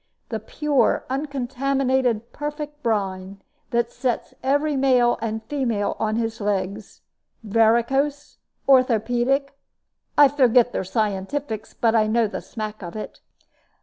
The pure, uncontaminated, perfect brine, that sets every male and female on his legs, varicose, orthopedic I forget their scientifics, but I know the smack of it."